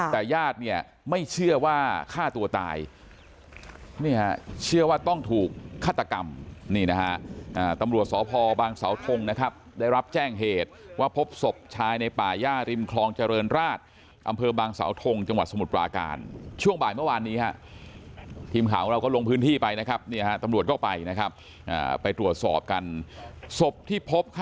แต่ญาติเนี่ยไม่เชื่อว่าฆ่าตัวตายนี่ฮะเชื่อว่าต้องถูกฆาตกรรมนี่นะฮะตำรวจสพบางสาวทงนะครับได้รับแจ้งเหตุว่าพบศพชายในป่าย่าริมคลองเจริญราชอำเภอบางสาวทงจังหวัดสมุทรปราการช่วงบ่ายเมื่อวานนี้ฮะทีมข่าวของเราก็ลงพื้นที่ไปนะครับเนี่ยฮะตำรวจก็ไปนะครับไปตรวจสอบกันศพที่พบค